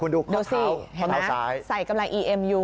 ดูสิเห็นไหมใส่กำไรอีเอ็มอยู่